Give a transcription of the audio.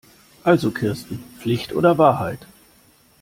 Also Kirsten, Pflicht oder Wahrheit?